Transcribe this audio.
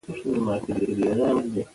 ازادي راډیو د سوداګریز تړونونه ته پام اړولی.